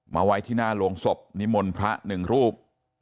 ไว้ที่หน้าโรงศพนิมนต์พระหนึ่งรูป